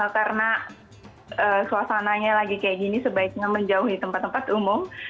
karena suasananya lagi kayak gini sebaiknya menjauhi tempat tempat umum